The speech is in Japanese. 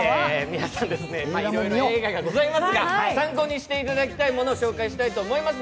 皆さん、いろいろ映画がございますので、参考にしていただきたいものを紹介したいと思います。